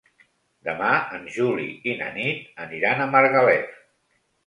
Demà en Juli i na Nit aniran a Margalef.